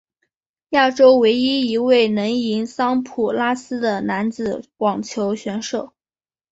亚洲唯一一位能赢桑普拉斯的男子网球选手。